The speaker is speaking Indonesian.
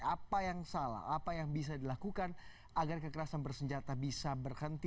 apa yang salah apa yang bisa dilakukan agar kekerasan bersenjata bisa berhenti